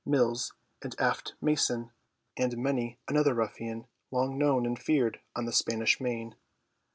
Mullins and Alf Mason and many another ruffian long known and feared on the Spanish Main.